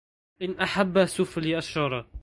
إن أحب سفل أشرار